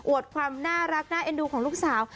ความน่ารักน่าเอ็นดูของลูกสาว